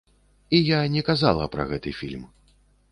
І я не казала пра гэты фільм.